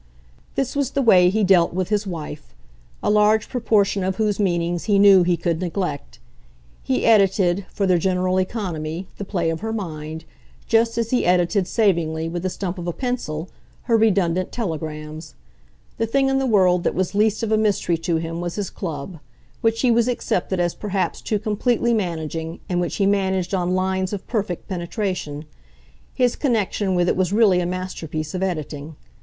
This was the way he dealt with his wife, a large proportion of whose meanings he knew he could neglect. He edited, for their general economy, the play of her mind, just as he edited, savingly, with the stump of a pencil, her redundant telegrams. The thing in the world that was least of a mystery to him was his Club, which he was accepted as perhaps too completely managing, and which he managed on lines of perfect penetration. His connection with it was really a master piece of editing.